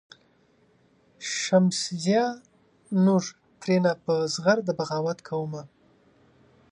"شمسزیه نور ترېنه په زغرده بغاوت کومه.